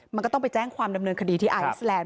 มันก็ต้องไปแจ้งความดำเนินคดีที่ไอซแลนด